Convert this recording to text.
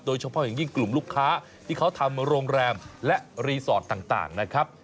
โดยเฉพาะอย่างยิ่งกลุ่มลูกค้าที่เขาทำโรงแรมและรีสอร์ทต่างนะครับ